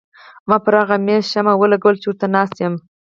ما پر هغه مېز شمه ولګوله چې ورته ناسته یم.